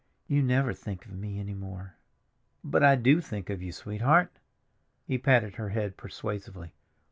"You never think of me any more." "But I do think of you, sweetheart." He patted her head persuasively.